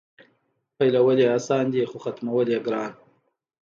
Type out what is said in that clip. پیلول یې اسان دي خو ختمول یې ګران.